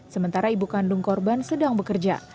sementara ibu kandung korban sedang bekerja